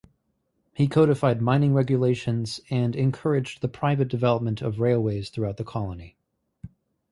He codified mining regulations and encouraged the private development of railways throughout the colony.